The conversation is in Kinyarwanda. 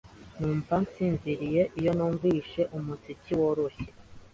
Numva nsinziriye iyo numvise umuziki woroshye.